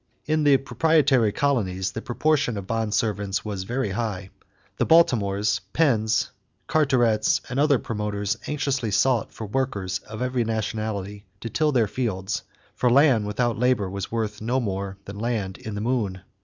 In the proprietary colonies the proportion of bond servants was very high. The Baltimores, Penns, Carterets, and other promoters anxiously sought for workers of every nationality to till their fields, for land without labor was worth no more than land in the moon.